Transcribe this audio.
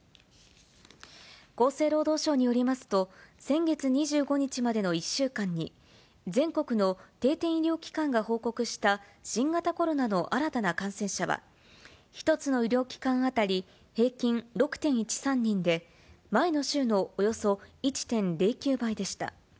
厚生労働省によりますと、先月２５日までの１週間に、全国の定点医療機関が報告した新型コロナの新たな感染者は、１つの医療機関当たり平均６．１３人で、前の週のおよそ１．０９倍でした。